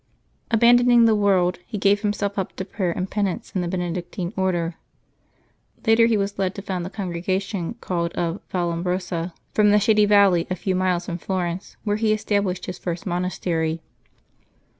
Abandoning the world, he gave himself up to prayer and penance in the Benedictine Order. Later he was led to found the congregation called of Vallombrosa, from the shady valley a few miles from Florence, where he established his first monastery.